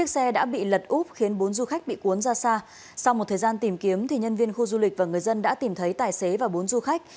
sau một thời gian tìm kiếm thì nhân viên khu du lịch và người dân đã tìm thấy tài xế và bốn du khách